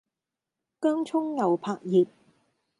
薑蔥牛柏葉